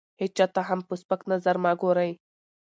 هېچا ته هم په سپک نظر مه ګورئ!